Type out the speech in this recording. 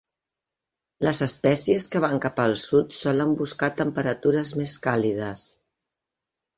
Les espècies que van cap al sud solen buscar temperatures més càlides.